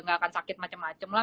gak akan sakit macem macem lah